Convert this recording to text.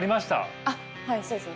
あっはいそうですね